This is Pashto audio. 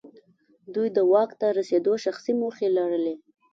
دوی د واک ته رسېدو شخصي موخې لرلې.